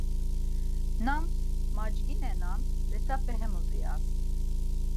Namus macginanen let̆ape hemuş ivas.